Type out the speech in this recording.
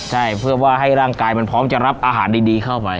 ใช่เพื่อว่าให้ร่างกายมันพร้อมจะรับอาหารดีเข้าไป